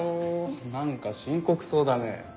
何か深刻そうだね。